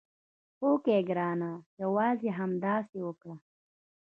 هوکې ګرانه یوازې همداسې وکړه.